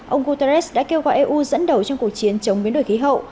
ông guterres đã kêu gọi eu dẫn đầu trong cuộc chiến chống biến đổi khí hậu